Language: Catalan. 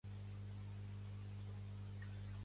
Què se t'hi ha perdut a Sant Joan de Sanata?